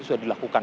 itu sudah dilakukan